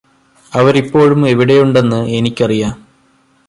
അവരിപ്പോഴും അവിടെയുണ്ടെന്ന് എനിക്കറിയാം